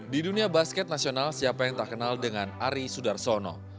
di dunia basket nasional siapa yang tak kenal dengan ari sudarsono